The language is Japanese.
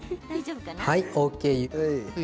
はい、ＯＫ。